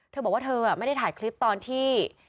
เธอบอกว่าเธอไม่ได้ถ่ายคลิปตอนที่